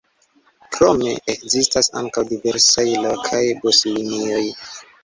Krome ekzistas ankaŭ diversaj lokaj buslinioj.